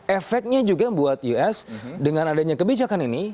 efeknya juga buat us dengan adanya kebijakan ini